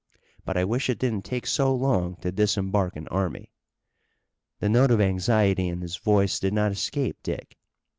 But I wish it didn't take so long to disembark an army!" The note of anxiety in his voice did not escape Dick.